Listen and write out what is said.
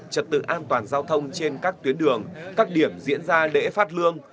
trật tự an toàn giao thông trên các tuyến đường các điểm diễn ra lễ phát lương